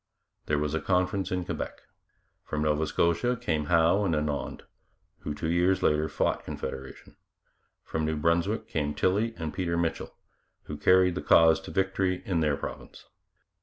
There was a conference in Quebec. From Nova Scotia came Howe and Annand, who two years later fought Confederation; from New Brunswick came Tilley and Peter Mitchell, who carried the cause to victory in their province.